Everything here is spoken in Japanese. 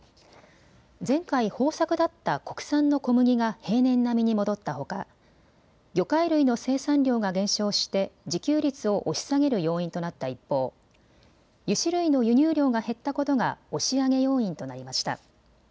前回、豊作だった国産の小麦が平年並みに戻ったほか魚介類の生産量が減少して自給率を押し下げる要因となった一方、油脂類の輸入量が減ったことがを押し上げ要因となりました。